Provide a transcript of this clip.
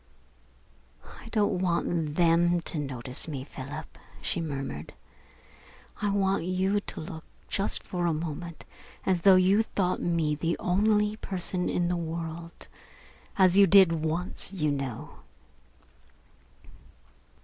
"I don't want them to notice me, Philip," she murmured. "I want you to look just for a moment as though you thought me the only person in the world as you did once, you know."